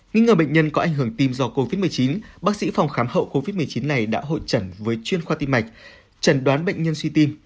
nghĩ ngờ bệnh nhân có ảnh hưởng tim do covid một mươi chín bác sĩ phòng khám hậu covid một mươi chín này đã hội trần với chuyên khoa tim mạch trần đoán bệnh nhân suy tim